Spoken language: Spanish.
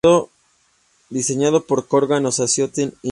Diseñado por Corgan Associates, Inc.